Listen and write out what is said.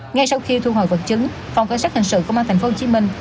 ngay sau khi thu hồi vật chứng phòng cảnh sát hình sự công an tp hồ chí minh